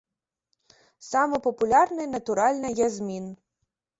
Самы папулярны, натуральна, язмін.